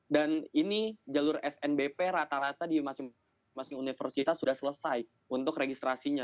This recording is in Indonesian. dan ini jalur snbp rata rata di masing masing universitas sudah selesai untuk registrasinya